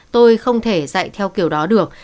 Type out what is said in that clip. tôi không thể dạy theo kiểu đó được